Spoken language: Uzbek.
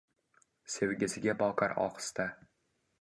sevgisiga boqar ohista